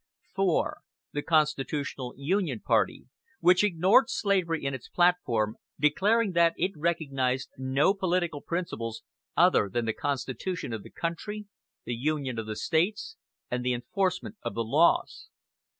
4. The Constitutional Union party, which ignored slavery in its platform, declaring that it recognized no political principles other than "the Constitution of the country, the Union of the States, and the enforcement of the laws."